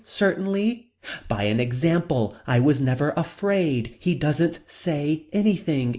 Certainly. By an example. I was never afraid. He doesn't say anything.